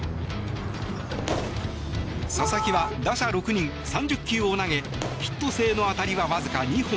佐々木は打者６人、３０球を投げヒット性の当たりはわずか２本。